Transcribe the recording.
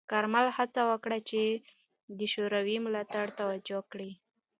کارمل هڅه وکړه چې د شوروي ملاتړ توجیه کړي.